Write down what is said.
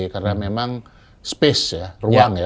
karena memang ruang ya